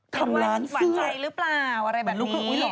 ทำร้านเสื้ออะไรแบบนี้เป็นหวังใจหรือเปล่าโอ๊ยเหรอ